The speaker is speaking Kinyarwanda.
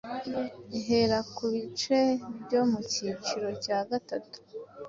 ihera ku bice byo mu cyiciro cya gatatu,